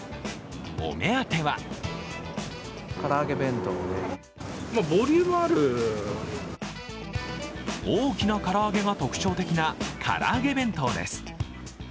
お目当ては大きな唐揚げが特徴の唐揚げ弁当です。